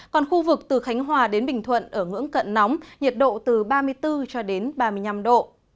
còn khu vực từ khánh hòa đến bình thuận ở ngưỡng cận nóng nhiệt độ từ ba mươi bốn cho đến ba mươi năm độ